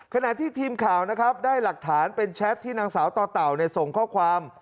ขณะที่ทีมข่าวนะครับได้หลักฐานเป็นแชทที่นางสาวต่อเต่าส่งข้อความ